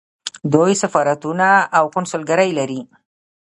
دوی سفارتونه او کونسلګرۍ لري.